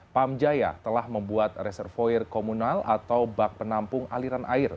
pamjaya telah membuat reservoir komunal atau bak penampung aliran air